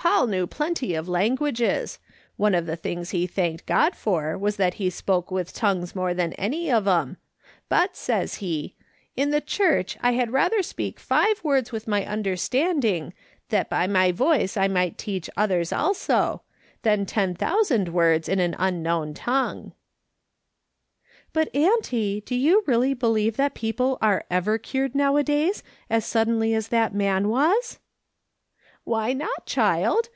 Paul knew plenty of languages ; one of the things he thanked God for was that he spoke with tongues more than any of 'era ; but says he :' In the Church I had rather speak five words with my under standing, that by my voice I might teach others also, than ten thousand words in an unknown tongue.' "" But, auntie, do you really believe that people are ever cured nowadays as suddenly as that man was ?"" Why not, child